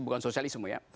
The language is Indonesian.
bukan sosialisme ya